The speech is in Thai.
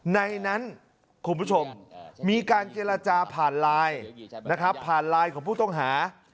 ในนั้นคุณผู้ชมมีการเจรจาผ่านไลน์นะครับผ่านไลน์ของผู้ต้องหา